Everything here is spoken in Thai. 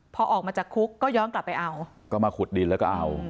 พอออกมาจากคุกก็ย้อนกลับไปเอาก็มาขุดดินแล้วก็เอา